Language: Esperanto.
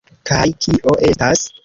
Kaj... kio estas...